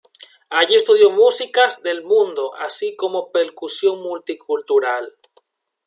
Allí estudió músicas del mundo así como percusión multicultural.